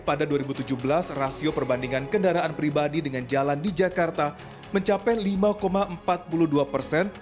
pada dua ribu tujuh belas rasio perbandingan kendaraan pribadi dengan jalan di jakarta mencapai lima empat puluh dua persen